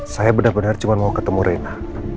saya bener bener cuma mau ketemu rena